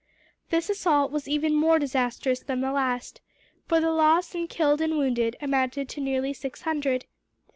This assault was even more disastrous than the last, for the loss in killed and wounded amounted to nearly six hundred.